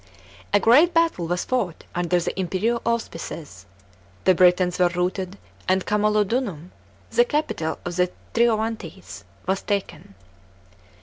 A great battle was fought under the imperial auspices; the Britons were routed and Camnlodunum, the capital of the Trino vantes, was taken.